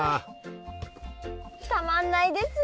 たまんないですね！